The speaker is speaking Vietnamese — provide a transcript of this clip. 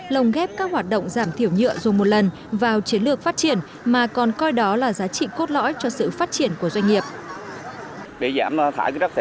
lồng ghép các hoạt động giảm thiểu nhựa dùng một lần vào chiến lược phát triển mà còn coi đó là giá trị cốt lõi cho sự phát triển của doanh nghiệp